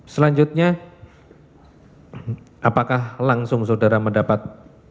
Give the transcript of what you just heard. selanjutnya apakah langsung saudara mendapat